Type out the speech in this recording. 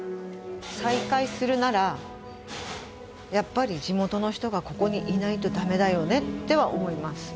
再開するならやっぱり地元の人がここにいないとダメだよねっては思います